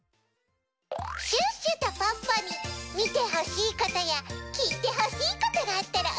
シュッシュとポッポにみてほしいことやきいてほしいことがあったらおしえてね。